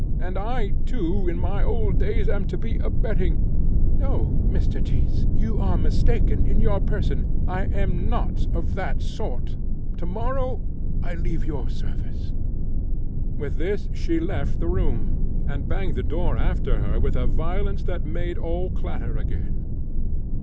and I, too, in my old days am to be abetting! No, Mr. Tyss you are mistaken in your person; I am not of that sort: to morrow I leave your service." With this she left the room, and banged the door after her with a violence that made all clatter again.